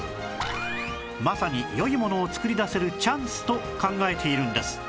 まさに良いものを作り出せるチャンスと考えているんです